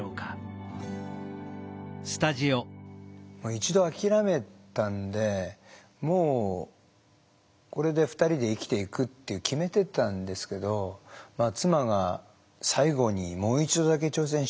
一度諦めたんでもうこれで２人で生きていくって決めてたんですけど妻が最後にもう一度だけ挑戦させて下さいということで。